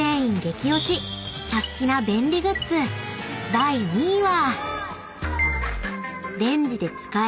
［第２位は］